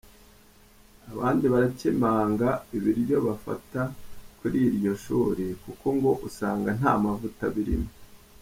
Abandi barakemanga ibiryo bafata kuri iryo shuri, kuko ngo usanga nta mavuta abirimo.